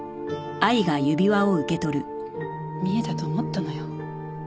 見えたと思ったのよ。